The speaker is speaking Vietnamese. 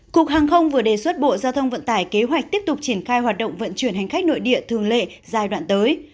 cục hàng không vừa đề xuất bộ giao thông vận tải kế hoạch tiếp tục triển khai hoạt động vận chuyển hành khách nội địa thường lệ giai đoạn tới